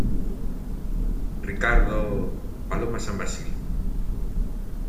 Ricardo... paloma San Basilio .